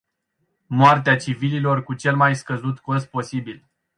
Moartea civililor cu cel mai scăzut cost posibil.